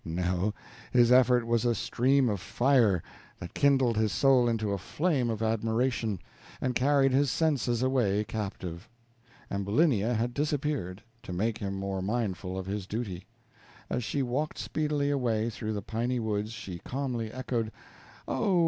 No, his effort was a stream of fire, that kindled his soul into a flame of admiration, and carried his senses away captive. Ambulinia had disappeared, to make him more mindful of his duty. As she walked speedily away through the piny woods she calmly echoed: "O!